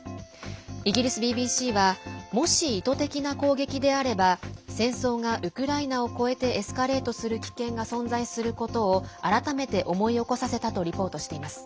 イギリスＢＢＣはもし意図的な攻撃であれば戦争がウクライナを越えてエスカレートする危険が存在することを改めて思い起こさせたとリポートしています。